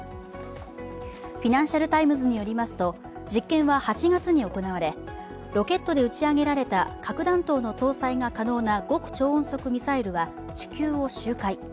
「フィナンシャル・タイムズ」によりますと、実験は８月に行われロケットで打ち上げられた核弾頭の搭載が可能な極超音速ミサイルは地球を周回。